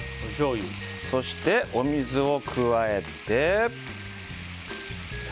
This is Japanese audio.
そして、お水を加えて。